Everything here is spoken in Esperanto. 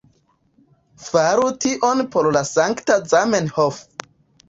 Faru tion por la sankta Zamenhof